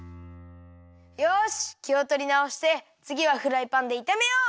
よしきをとりなおしてつぎはフライパンでいためよう！